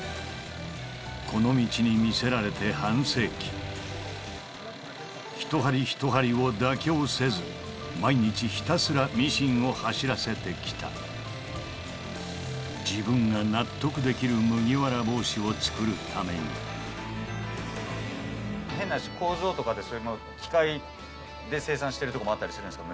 この道に魅せられて半世紀一針一針を妥協せず毎日ひたすらミシンを走らせて来た自分が納得できる麦わら帽子を作るために変な話工場とかで機械で生産してるとこもあったりするんですか？